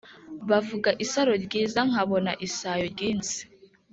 bavuga isaro ryiza nkabona isayo ryinsi